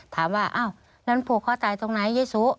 ถามว่าเอ้าล้านพูดเค้าตายตรงไหนเยซู